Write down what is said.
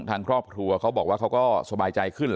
ทางครอบครัวเขาบอกว่าเขาก็สบายใจขึ้น